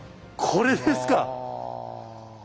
これです。